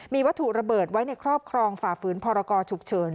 มีวัตถุระเบิดไว้ในครอบครองฝ่าฝืนพรกรฉุกเฉิน